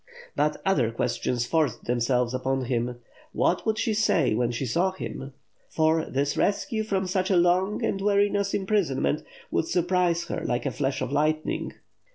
* But, other questions forced themselves upon him. What would she say when she saw him? For this rescue from such a long and wearisome imprisonment would sur prise her, like a flash of lightning